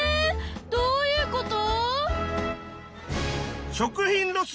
どういうこと？